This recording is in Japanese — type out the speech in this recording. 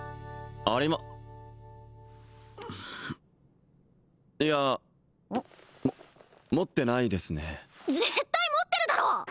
ありまいやも持ってないですね絶対持ってるだろ！